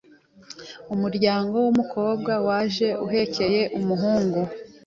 umuryango w’umukobwa waje uhekeye uw’umuhungu